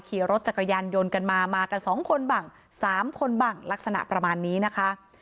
ขี่รถจักรยานยนต์กันมามากัน๒คนบ้าง๓คนบ้างลักษณะประมาณนี้นะคะ